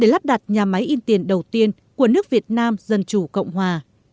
lắp đặt nhà máy in tiền đầu tiên của nước việt nam dân chủ cộng hòa